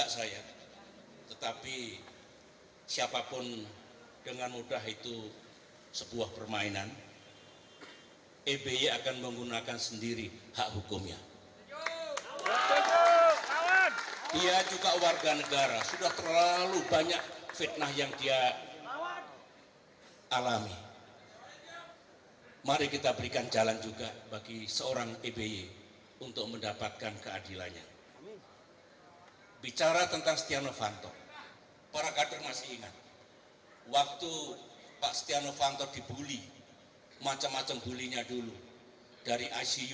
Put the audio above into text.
saya masih percaya kepada kapolri